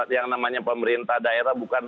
yang namanya pemerintah daerah bukan